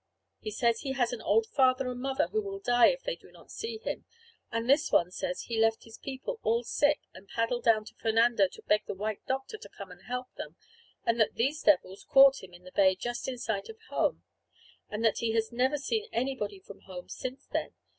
He says he has an old father and mother who will die if they do not see him. And this one says he left his people all sick, and paddled down to Fernando to beg the white doctor to come and help them, and that these devils caught him in the bay just in sight of home, and that he has never seen anybody from home since then.